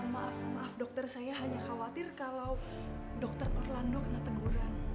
maaf maaf dokter saya hanya khawatir kalau dokter orlando kena teguran